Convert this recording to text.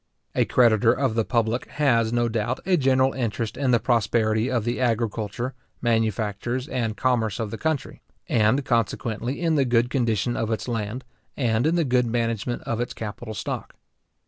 A creditor of the public has, no doubt, a general interest in the prosperity of the agriculture, manufactures, and commerce of the country; and consequently in the good condition of its land, and in the good management of its capital stock.